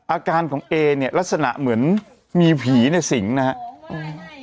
อาการของเอเนี่ยลักษณะเหมือนมีผีในสิงนะครับอืม